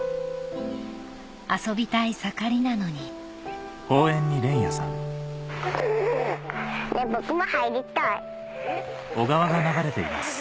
遊びたい盛りなのにねぇ僕も入りたい。